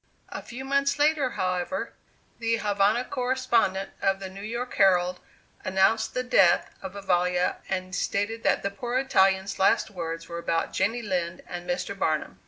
A few months later, however, the Havana correspondent of the New York Herald announced the death of Vivalla and stated that the poor Italian's last words were about Jenny Lind and Mr. Barnum.